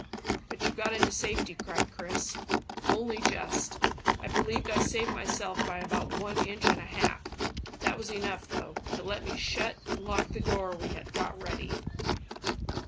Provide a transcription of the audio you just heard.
"But you got into safety," cried Chris. "Only just. I believe I saved myself by about one inch and a half. That was enough, though, to let me shut and lock the door we had got ready."